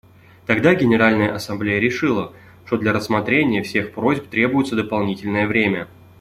Тогда Генеральная Ассамблея решила, что для рассмотрения всех просьб требуется дополнительное время.